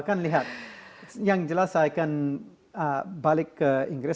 kan lihat yang jelas saya akan balik ke inggris